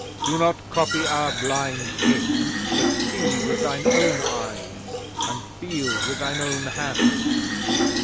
Do not copy our blind King, but see with thine own eyes and feel with thine own hands."